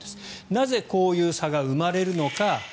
なぜ、こういう差が生まれるのか。